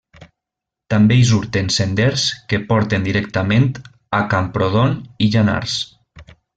També hi surten senders que porten directament a Camprodon i Llanars.